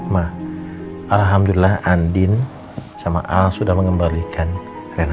ma alhamdulillah andin sama al sudah mengembalikan keren